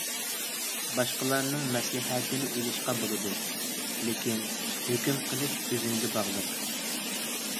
باشقىلارنىڭ مەسلىھەتىنى ئېلىشقا بولىدۇ، لېكىن ھۆكۈم قىلىش ئۆزۈڭگە باغلىق.